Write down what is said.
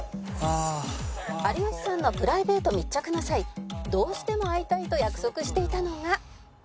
「有吉さんのプライベート密着の際どうしても会いたいと約束していたのが」